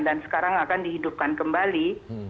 sekarang akan dihidupkan kembali